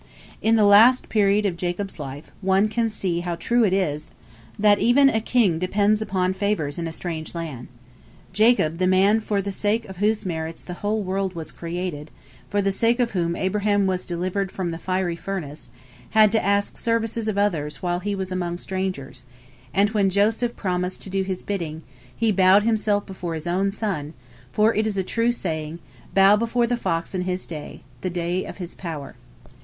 In the last period of Jacob's life, one can see how true it is that "even a king depends upon favors in a strange land." Jacob, the man for the sake of whose merits the whole world was created, for the sake of whom Abraham was delivered from the fiery furnace, had to ask services of others while he was among strangers, and when Joseph promised to do his bidding, he bowed himself before his own son, for it is a true saying, "Bow before the fox in his day," the day of his power.